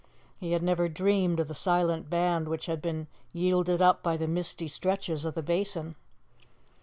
He had never dreamed of the silent band which had been yielded up by the misty stretches of the Basin.